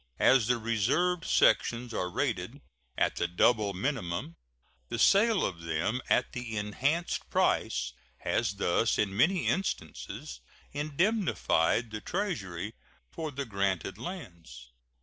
As the reserved sections are rated at the double minimum, the sale of them at the enhanced price has thus in many instances indemnified the Treasury for the granted lands.